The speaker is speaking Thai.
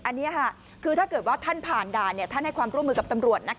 อันนี้คือถ้าเกิดว่าท่านผ่านด่านท่านให้ความร่วมมือกับตำรวจ